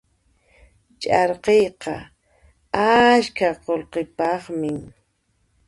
Ch'arkiyqa askha qullqipaqmi.